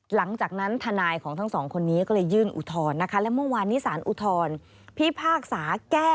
หลังจากนั้นทนายของทั้งสองคนนี้ก็เลยยื่นอุทรนะคะ